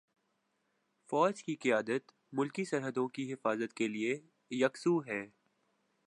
فوج کی قیادت ملکی سرحدوں کی حفاظت کے لیے یکسو ہے۔